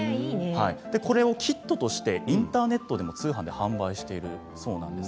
これをキットとしてインターネットでも通販で販売しているそうなんです。